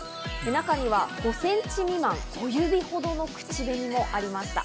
中には５センチ未満、小指ほどの口紅もありました。